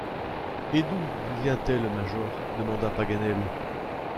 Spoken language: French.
Et d’où vous vient-elle, major? demanda Paganel.